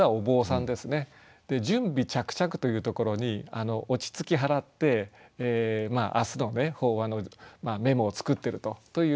で「準備着々」というところに落ち着き払って明日の法話のメモを作ってるとという姿が浮かびますね。